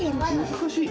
難しい。